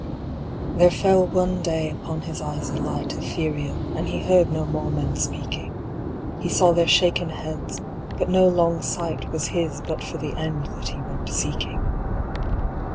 There fell one day upon his eyes a light Ethereal, and he heard no more men speaking; He saw their shaken heads, but no long sight Was his but for the end that he went seeking.